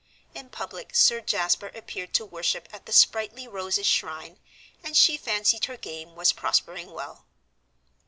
In public Sir Jasper appeared to worship at the sprightly Rose's shrine, and she fancied her game was prospering well.